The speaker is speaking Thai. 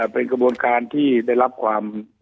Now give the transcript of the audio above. เป็นกระบวนการที่ได้รับความ